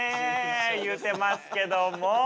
いうてますけども。